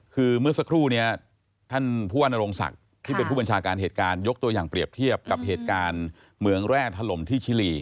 คือเมื่อสักครู่นี้ท่านผู้ว่านโรงศักดิ์ที่เป็นผู้บัญชาการเหตุการณ์ยกตัวอย่างเปรียบเทียบกับเหตุการณ์เหมืองแร่ถล่มที่ชิลี